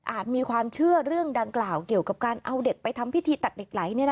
มีความเชื่อเรื่องดังกล่าวเกี่ยวกับการเอาเด็กไปทำพิธีตัดเหล็กไหล